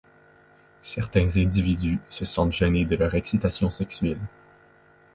Certains individus se sentent gênés de leur excitation sexuelle.